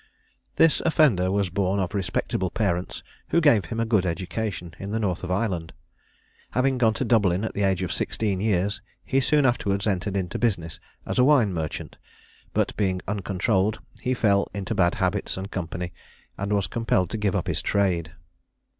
This offender was born of respectable parents, who gave him a good education, in the North of Ireland. Having gone to Dublin at the age of sixteen years, he soon afterwards entered into business as a wine merchant; but being uncontrolled, he fell into bad habits and company, and was compelled to give up his trade.